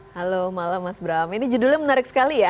halo malam mas bram ini judulnya menarik sekali ya